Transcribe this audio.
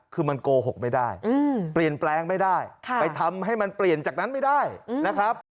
คือมันโกหกไม่ได้เปลี่ยนแปลงไม่ได้ไปทำให้มันเปลี่ยนจากนั้นไม่ได้นะครับ